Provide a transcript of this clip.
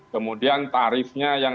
kemudian tarifnya yang